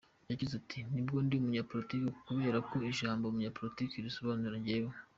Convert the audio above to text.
Yagize ati “Ntabwo ndi umunyapolitiki kubera ko ijambo umunyapolitiki ridasobanura njyewe.